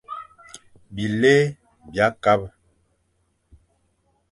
Bilé bia kabe.